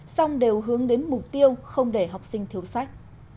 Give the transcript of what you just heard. song đều hướng đến mục tiêu không để học sinh thiếu sách